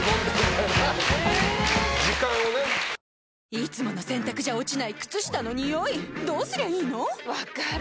いつもの洗たくじゃ落ちない靴下のニオイどうすりゃいいの⁉分かる。